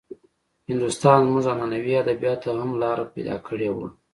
هندوستان زموږ عنعنوي ادبياتو ته هم لاره پيدا کړې وه.